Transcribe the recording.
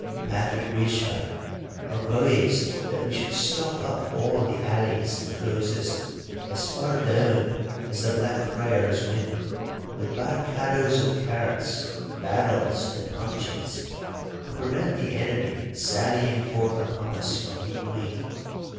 Patrick Wishart advised that we should stop up all the alleys and closes as far down as the Blackfriar's Wynd with barracadoes of carts, barrels, and puncheons, to prevent the enemy sallying forth upon us from behind.